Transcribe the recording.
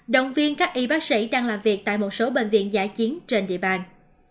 động viên các y bác sĩ đang làm việc tại một số bệnh viện giả chiến trên địa bàn